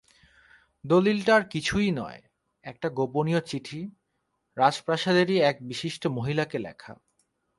দলিলটা আর কিছুই নয়, একটা গোপনীয় চিঠি, রাজপ্রাসাদেরই এক বিশিষ্ট মহিলাকে লেখা।